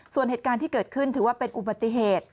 ส่วนเหตุการณ์ที่เกิดขึ้นถือว่าเป็นอุบัติเหตุ